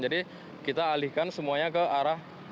jadi kita alihkan semuanya ke arah